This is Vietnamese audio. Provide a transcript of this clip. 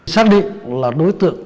xác định là đối tượng